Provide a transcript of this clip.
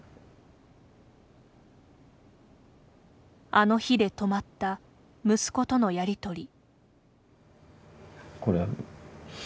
あの日で止まった息子とのやりとり。